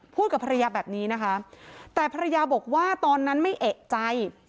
กับภรรยาแบบนี้นะคะแต่ภรรยาบอกว่าตอนนั้นไม่เอกใจ